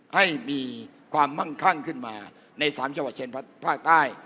ให้มีความมั่งข้างขึ้นมาในสามเฉพาะเชนภาคไต้